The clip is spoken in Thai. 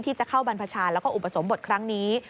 ที่จะเข้าบรรพชาแล้วก็อุปสมบทครั้งนี้